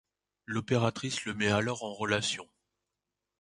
L'opératrice le met alors en relation.